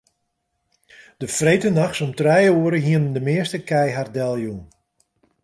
De freedtenachts om trije oere hiene de measte kij har deljûn.